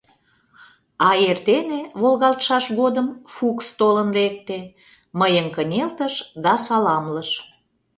А эрдене, волгалтшаш годым, Фукс толын лекте, мыйым кынелтыш да саламлыш: